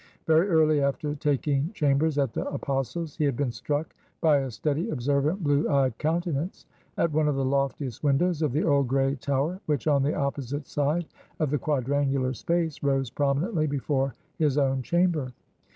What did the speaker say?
Very early after taking chambers at the Apostles', he had been struck by a steady observant blue eyed countenance at one of the loftiest windows of the old gray tower, which on the opposite side of the quadrangular space, rose prominently before his own chamber.